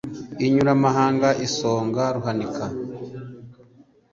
Inyuramahanga isonga Ruhanika,